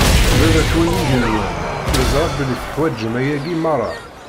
Baba-twen n igenwan yeẓra belli teḥwaǧem ayagi meṛṛa.